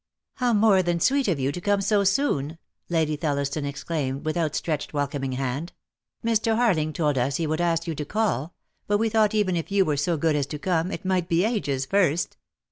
"How more than sweet of you to come DEAD LOVE HAS CHAINS. 145 SO soon," Lady Thelliston exclaimed, with out stretched welcoming hand. "Mr. Harling told us he would ask you to call — but we thought even if you were so good as to come, it might be ages first."